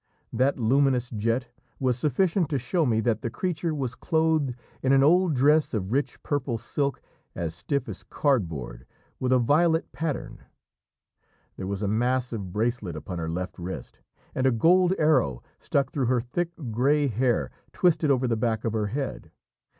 That luminous jet was sufficient to show me that the creature was clothed in an old dress of rich purple silk as stiff as cardboard, with a violet pattern; there was a massive bracelet upon her left wrist, and a gold arrow stuck through her thick grey hair twisted over the back of her head.